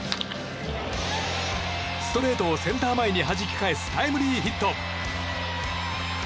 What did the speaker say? ストレートをセンター前にはじき返すタイムリーヒット。